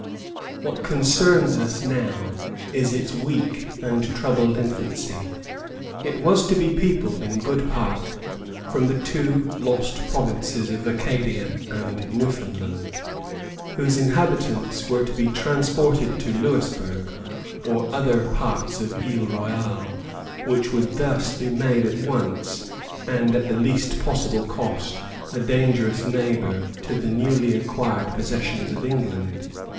What concerns us now is its weak and troubled infancy. It was to be peopled in good part from the two lost provinces of Acadia and Newfoundland, whose inhabitants were to be transported to Louisbourg or other parts of Isle Royale, which would thus be made at once and at the least possible cost a dangerous neighbor to the newly acquired possessions of England.